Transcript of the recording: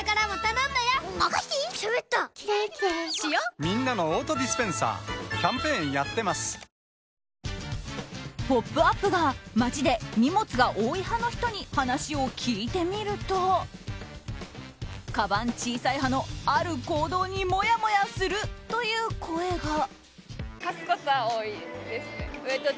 贅沢な香り「ポップＵＰ！」が街で荷物が多い派の人に話を聞いてみるとかばん小さい派の、ある行動にもやもやするという声が。